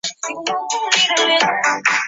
其治所位于。